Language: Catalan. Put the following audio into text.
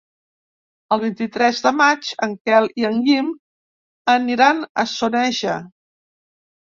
El vint-i-tres de maig en Quel i en Guim aniran a Soneja.